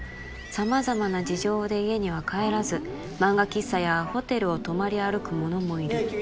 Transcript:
「様々な事情で家には帰らず」「漫画喫茶やホテルを泊まり歩く者もいる」